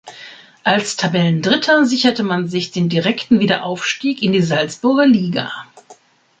Als Tabellendritter sicherte man sich den direkten Wiederaufstieg in die Salzburger Liga.